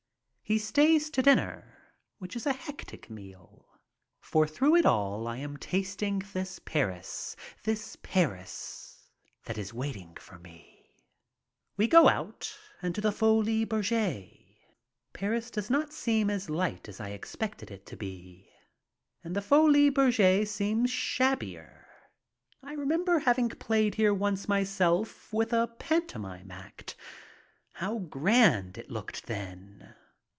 He stays to dinner, which is a hectic meal, for through it all I am tasting this Paris, this Paris that is waiting for me. We go out and to the Folies Bergere. Paris does not seem as light as I expected it to be. And the Folies Bergere seems shabbier. I remember hav ing played here once myself with a pantomime act. How grand it looked then.